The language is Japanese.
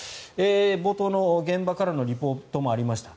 冒頭の現場からのリポートにもありました